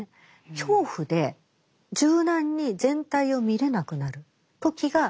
恐怖で柔軟に全体を見れなくなる時がチャンスなんです。